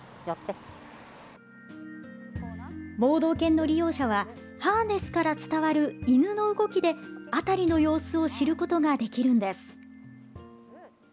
盲導犬の利用者はハーネスから伝わる犬の動きで辺りの様子を知ることができるんです。